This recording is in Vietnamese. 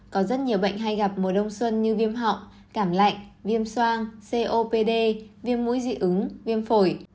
có rất nhiều bệnh hay gặp mùa đông xuân như viêm họng cảm lạnh viêm soang copd viêm mũi dị ứng viêm phổi